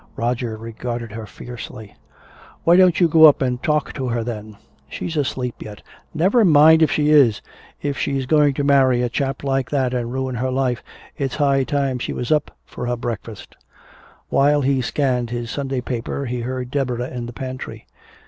Roger regarded her fiercely. "Why don't you go up and talk to her, then?" "She's asleep yet " "Never mind if she is! If she's going to marry a chap like that and ruin her life it's high time she was up for her breakfast!" While he scanned his Sunday paper he heard Deborah in the pantry.